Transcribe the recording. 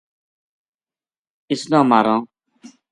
اِس نا ماراں